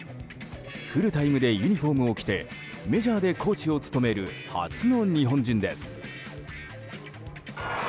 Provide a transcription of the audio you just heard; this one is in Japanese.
フルタイムでユニホームを着てメジャーでコーチを務める初の日本人です。